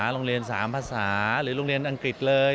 โรงเรียน๓ภาษาหรือโรงเรียนอังกฤษเลย